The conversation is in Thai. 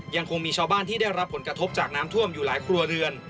ยังคงมีชาวบ้านที่ได้รับผลกระทบจากน้ำท่วมอยู่หลายครัวเรือน